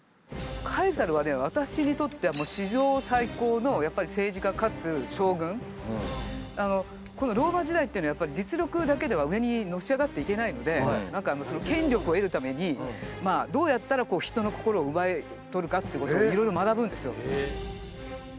私にとってはこのローマ時代っていうのはやっぱり実力だけでは上にのし上がっていけないので何かその権力を得るためにまあどうやったら人の心を奪い取るかっていうことをいろいろ学ぶんですよ。